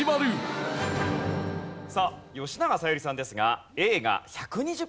吉永小百合さんですが。